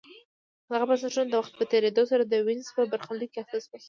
دغه بنسټونه د وخت په تېرېدو سره د وینز په برخلیک اخته شول